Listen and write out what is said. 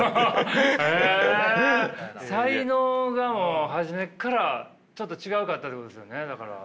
へえ才能がもう初めっからちょっと違うかったってことですよねだから。